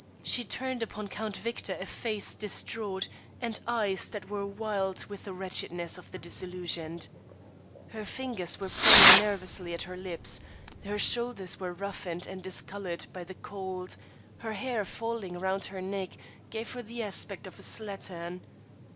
She turned upon Count Victor a face distraught and eyes that were wild with the wretchedness of the disillusioned. Her fingers were playing nervously at her lips; her shoulders were roughened and discoloured by the cold; her hair falling round her neck gave her the aspect of a slattern.